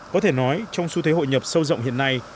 có thể nói trong xu thế hội nhập sâu rộng hiện nay